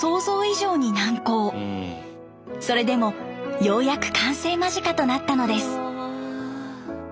それでもようやく完成間近となったのです。